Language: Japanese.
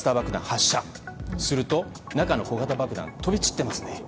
発射するとすると、中の小型爆弾が飛び散ってますね。